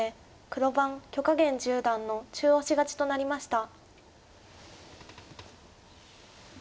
黒番許家元十段の中押し勝ちとなりました。